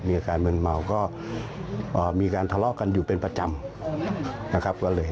มีอาการมืนเมาก็มีการทะเลาะกันอยู่เป็นประจำนะครับ